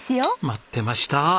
待ってました。